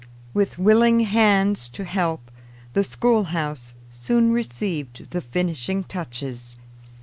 With willing hands to help, the schoolhouse soon received the finishing touches.